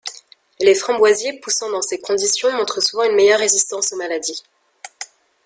Les framboisiers poussant dans ces conditions montrent souvent une meilleures résistance aux maladies.